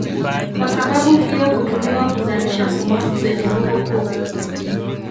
Kwa sababu hiyo hutumiwa kuzalisha sumaku zenye nguvu kuu.